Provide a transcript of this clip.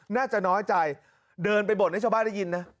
น่าจะน้อยใจเดินไปบ่นให้ชาวบ้านได้ยินนะ